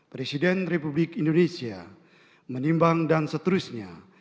presiden republik indonesia menimbang dan seterusnya